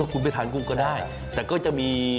คุณไปทานกุ้งก็ได้แต่ก็จะมี